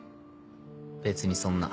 別にそんな。